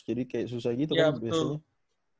jadi kayak susah gitu kan biasanya